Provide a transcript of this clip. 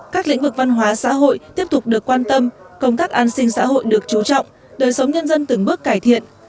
các lĩnh vực văn hóa xã hội tiếp tục được quan tâm công tác an sinh xã hội được chú trọng đời sống nhân dân từng bước cải thiện